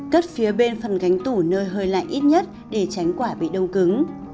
cất phía bên phần gánh tủ nơi hơi lạnh ít nhất để tránh quả bị đau cứng